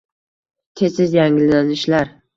Tez-tez yangilanishlar